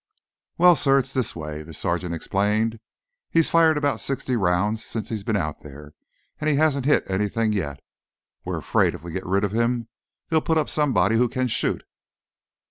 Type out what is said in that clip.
"Well, sir, it's this way," the sergeant explained. "He's fired about sixty rounds since he's been out there, and he hasn't hit anything yet. We're afraid if we get rid of him they'll put up somebody who can shoot."